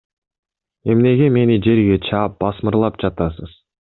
Эмнеге мени жерге чаап, басмырлап жатасыз?